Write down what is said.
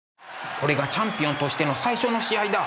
これがチャンピオンとしての最初の試合だ。